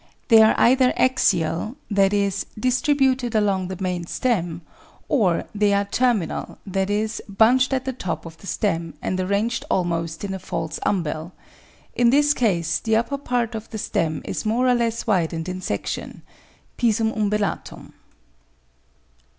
They are either axial, that is, distributed along the main stem; or they are ter minal, that is, bunched at the top of the stem and arranged almost in a false umbel; in this case the upper part of the stem is more or less widened in section (P. umbellatum)